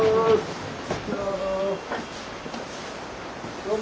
どうも。